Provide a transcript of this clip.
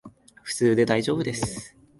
普通でだいじょうぶです